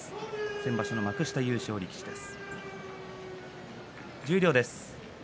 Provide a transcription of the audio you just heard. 先場所の幕下優勝力士です。